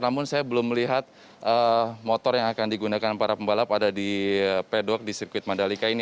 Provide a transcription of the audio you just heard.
namun saya belum melihat motor yang akan digunakan para pembalap ada di pedok di sirkuit mandalika ini